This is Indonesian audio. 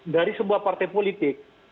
dari sebuah partai politik